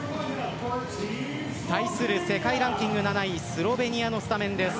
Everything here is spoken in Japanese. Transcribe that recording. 対する世界ランキング７位スロベニアのスタメンです。